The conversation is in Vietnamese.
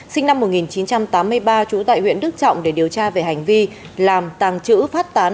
sinh năm một nghìn chín trăm tám mươi ba trú tại huyện đức trọng để điều tra về hành vi làm tàng trữ phát tán